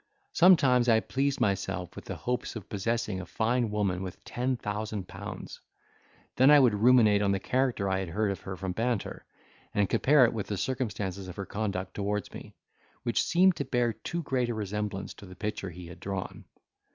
Sometimes I pleased myself with the hopes of possessing a fine woman with ten thousand pounds; then I would ruminate on the character I had heard of her from Banter, and compare it with the circumstances of her conduct towards me, which seemed to bear too great a resemblance to the picture he had drawn.